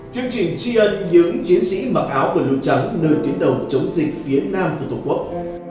chương trình tri ân những chiến sĩ mặc áo quân trắng nơi tuyến đầu chống dịch phía nam của tổ quốc